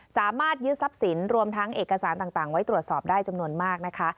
สามารถยึดทรัพย์สินรวมทั้งเอกสารต่างไว้ตรวจสอบได้จำนวนมากนะคะ